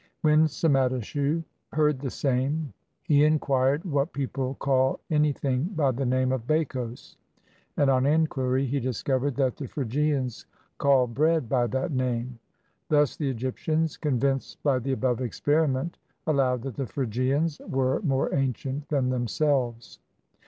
When Psammitichus heard the same, he inquired what people call anything by the name of "Becos"; and on inquiry he discovered that the Phrygians call bread by that name. Thus the Eg3^tians, convinced by the above experiment, allowed that the Phrygians were more ancient than themselves.